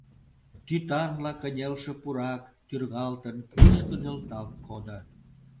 Тӱтанла кынелше пурак, тӱргалтын, кӱшкӧ нӧлталт кодо.